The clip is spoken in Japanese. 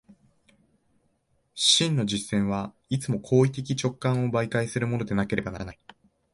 真の実践はいつも行為的直観を媒介するものでなければならない。